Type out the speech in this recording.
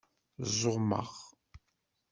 Ẓumeɣ.